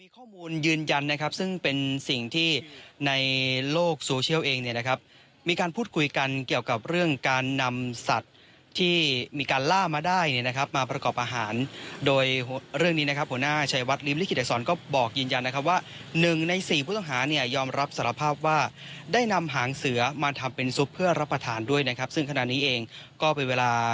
เกือบ๓ชั่วโมงแล้วนะครับที่ตำรวจยังคงทำการสอบปากคำ